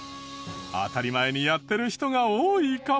当たり前にやってる人が多いかも。